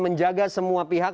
menjaga semua pihak